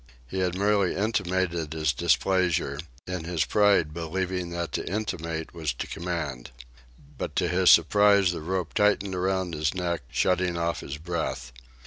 He had merely intimated his displeasure, in his pride believing that to intimate was to command. But to his surprise the rope tightened around his neck, shutting off his breath.